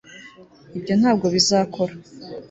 ibyo ntabwo bizakora